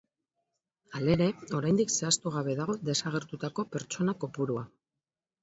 Halere, oraindik zehaztugabe dago desagertutako pertsona kopurua.